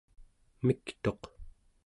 miktuq